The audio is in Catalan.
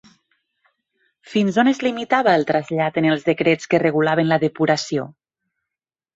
Fins on es limitava el trasllat en els decrets que regulaven la depuració?